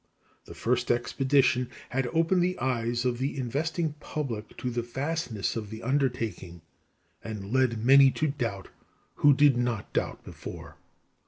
The first expedition had opened the eyes of the investing public to the vastness of the undertaking, and led many to doubt who did not doubt before.